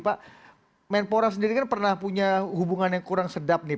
kemenpora sendiri kan pernah punya hubungan yang kurang sedap